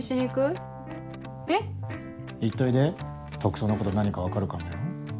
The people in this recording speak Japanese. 特捜のこと何か分かるかもよ。